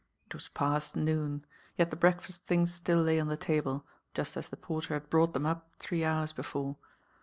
It was past noon; yet the breakfast things still lay on the table, just as the porter had brought them up three hours before.